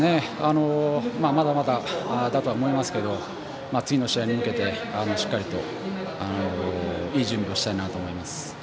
まだまだだとは思いますけれども次の試合に向けて、しっかりといい準備をしたいなと思います。